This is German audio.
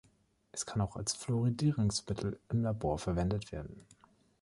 Es kann auch als Fluoridierungsmittel im Labor verwendet werden.